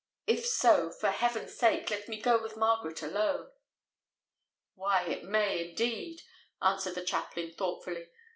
If so, for heaven's sake, let me go with Margaret alone." "Why, it may, indeed," answered the chaplain thoughtfully.